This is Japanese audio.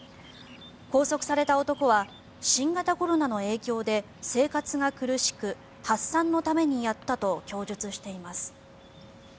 拘束された男は新型コロナの影響で生活が苦しく発散のためにやったと供述しています。